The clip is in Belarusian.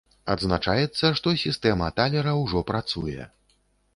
Адзначаецца, што сістэма талера ўжо працуе.